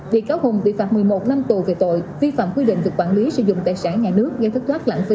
bị cáo hùng bị phạt một mươi một năm tù về tội vi phạm quy định về quản lý sử dụng tài sản nhà nước gây thất thoát lãng phí